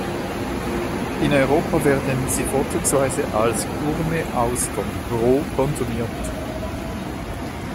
In Europa werden sie vorzugsweise als „Gourmet-Austern“ roh konsumiert.